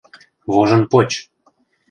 — Вожынпоч!